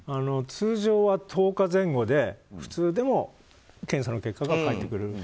通常は１０日前後で、普通でも検査の結果が返ってくる。